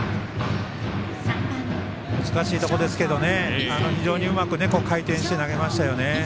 難しいところですけど非常にうまく回転して投げましたよね。